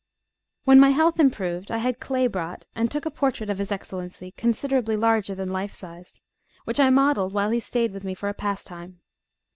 When my health improved, I had clay brought, and took a portrait of his Excellency, considerably larger than life size, which I modelled while he stayed with me for pastime.